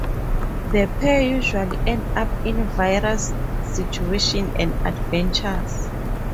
The pair usually end up in various situations and adventures.